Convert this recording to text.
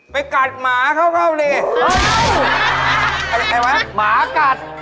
ไปกัดหมาเข้าเลยเห้ย